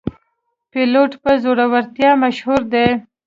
پیلوټ په زړورتیا مشهور دی.